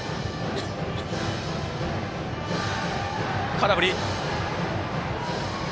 空振り。